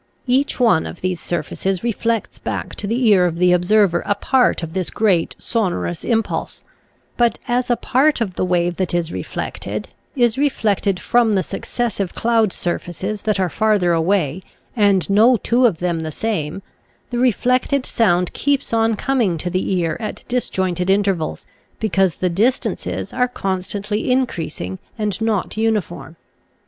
Each one of these surfaces reflects back to the ear of the observer a part of this great sonorous impulse; but as a part of the wave that is reflected, is reflected from the successive cloud surfaces that are farther away, and no two of them the same, the reflected sound keeps on coming to the ear at disjointed intervals, because the dis tances are constantly increasing and not uni form.